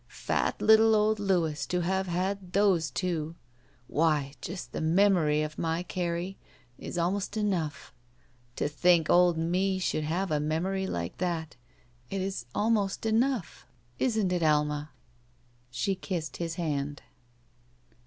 Fat little old Louis to have had those two. Why, just the memory of my 'Carrie — ^is almost enough. To think old me should have a memory like that — it is almost enough — ^isn't it, Alma?" She kissed his hand.